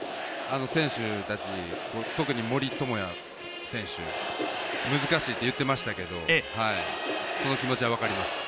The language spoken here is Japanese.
選手たち、特に森友哉選手難しいといっていましたけれども、その気持ちは分かります。